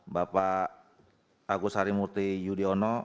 bapak agus harimurti yudhoyono